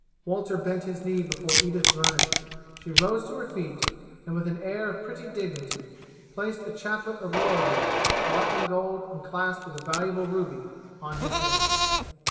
Walter bent his knee before Edith Vernon. She rose to her feet, and with an air of pretty dignity, placed a chaplet of laurel leaves, wrought in gold and clasped with a valuable ruby, on his head.